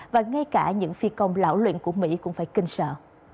và ngay cả những phi công lão luyện của mỹ cũng phải kinh sợ